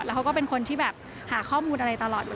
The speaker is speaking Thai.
แล้วเขาก็เป็นคนที่แบบหาข้อมูลอะไรตลอดอยู่